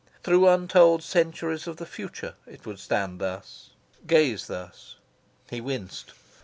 Through untold centuries of the future it would stand thus, gaze thus. He winced.